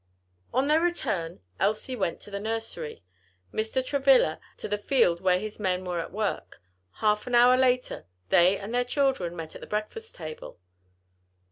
On their return Elsie went to the nursery, Mr. Travilla to the field where his men were at work. Half an hour later they and their children met at the breakfast table.